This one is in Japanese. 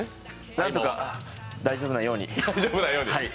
何とか大丈夫なように。